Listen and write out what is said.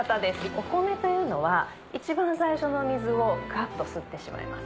お米というのは一番最初の水をガッと吸ってしまいます。